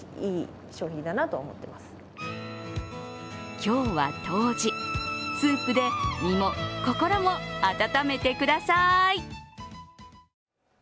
今日は冬至、スープで身も心も温めてください。